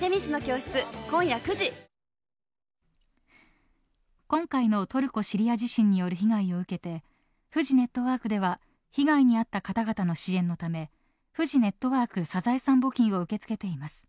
今回のトルコシリア地震による被害を受けてフジネットワークでは被害に遭った方々への支援のためフジネットワークサザエさん募金を受け付けています。